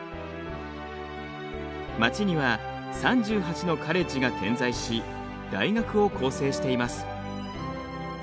街には３８のカレッジが点在し大学を構成しています。